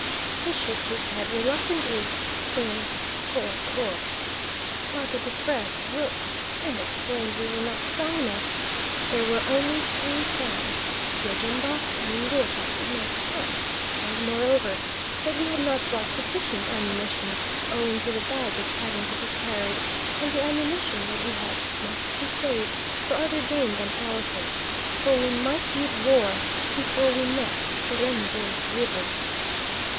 He shook his head reluctantly, saying "Kor, kor," like a depressed rook, and explained we were not strong enough; there were only three Fans the Ajumba, and Ngouta did not count and moreover that we had not brought sufficient ammunition owing to the baggage having to be carried, and the ammunition that we had must be saved for other game than elephant, for we might meet war before we met the Rembwe River.